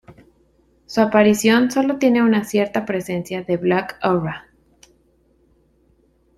Su aparición solo tiene una cierta presencia de Black Aura.